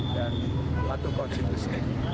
dan satu konstitusi